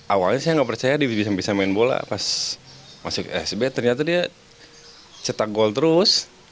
awalnya saya nggak percaya diri bisa main bola pas masuk sb ternyata dia cetak gol terus